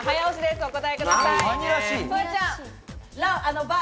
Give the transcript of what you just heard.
お答えください。